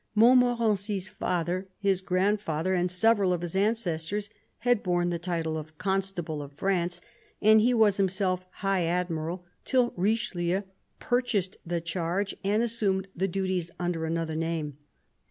Montmorency's father, his grandfather, and several of his ancestors had borne the title of Constable of France, and he was himself High Admiral, till Richelieu purchased the charge and assumed the duties under another name.